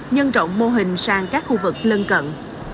nhân rộng mô hình sang các khu vực lân cận